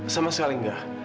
sama sekali gak